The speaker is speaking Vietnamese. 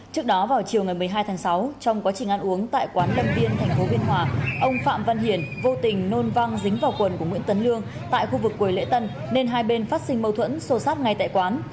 trước đó vào chiều ngày một mươi hai tháng sáu trong quá trình ăn uống tại quán lâm viên tp biên hòa ông phạm văn hiền vô tình nôn văng dính vào quần của nguyễn tấn lương tại khu vực quầy lễ tân nên hai bên phát sinh mâu thuẫn sô sát ngay tại quán